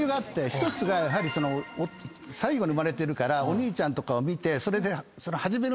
１つが最後に生まれてるからお兄ちゃんとかを見てそれで始めるのが早い。